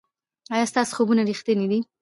ایا ستاسو خوبونه ریښتیني دي؟